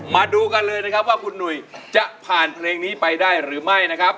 มาดูกันเลยนะครับว่าคุณหนุ่ยจะผ่านเพลงนี้ไปได้หรือไม่นะครับ